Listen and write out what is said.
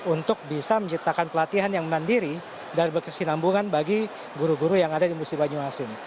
untuk bisa menciptakan pelatihan yang mandiri dan berkesinambungan bagi guru guru yang ada di musi banyuasin